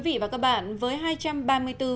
vể gần gạt noning kết quả